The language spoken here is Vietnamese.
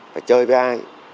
phải chơi với ai